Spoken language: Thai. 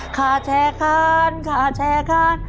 ค่าแช่คานค่าแช่คาน